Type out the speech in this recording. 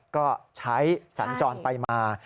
ก็ใช้สัญจรไปมา